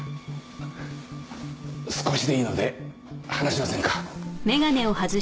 少しでいいので話しませんか？